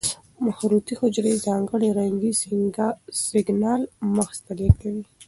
مخروطې حجرې ځانګړي رنګي سېګنال مغز ته لېږي.